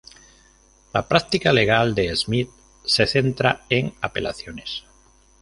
La práctica legal de Smith se centra en apelaciones.